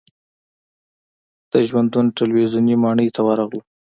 د ژوندون تلویزیون ماڼۍ ته ورغلو.